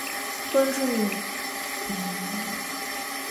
关注永雏塔菲喵